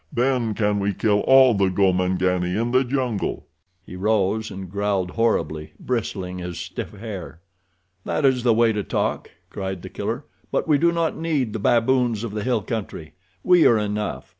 Then can we kill all the Gomangani in the jungle." He rose and growled horribly, bristling his stiff hair. "That is the way to talk," cried The Killer, "but we do not need the baboons of the hill country. We are enough.